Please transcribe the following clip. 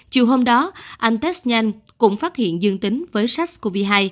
chiều hôm đó anh test nhanh cũng phát hiện dương tính với sars cov hai